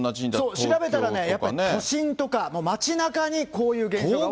そう、調べたらやっぱり都心とか街なかにこういう現象が多いです。